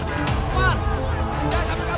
keluar keluar keluar